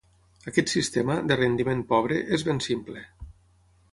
Aquest sistema, de rendiment pobre, és ben simple.